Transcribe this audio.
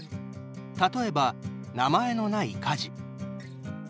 例えば、名前のない家事。